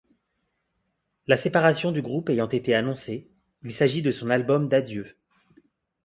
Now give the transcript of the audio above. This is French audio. La séparation du groupe ayant été annoncée, il s'agit de son album d'adieu.